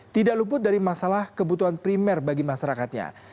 tidak luput dari masalah kebutuhan primer bagi masyarakatnya